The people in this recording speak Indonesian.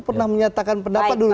pernah menyatakan pendapat dulu